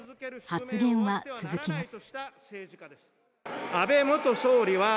発言は、続きます。